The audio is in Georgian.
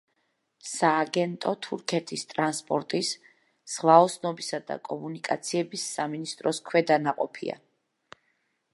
სააგენტო თურქეთის ტრანსპორტის, ზღვაოსნობის და კომუნიკაციების სამინისტროს ქვედანაყოფია.